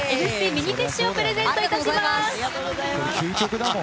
ミニティッシュをプレゼントいたします。